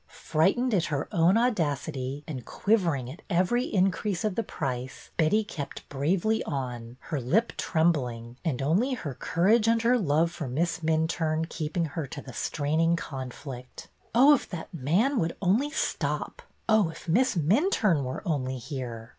Frightened at her own audacity, and quivering at every increase of the price, Betty kept bravely on, her lip trembling, and only her courage and her love for Miss Minturne keeping her to the straining conflict. Oh, if that man would only stop! Oh, if Miss Minturne were only here!